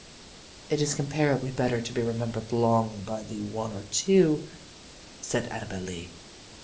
"It is incomparably better to be remembered long by the one or two," said Annabel Lee.